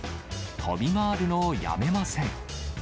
飛び回るのをやめません。